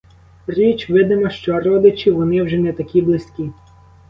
Річ видима, що родичі вони вже не такі близькі.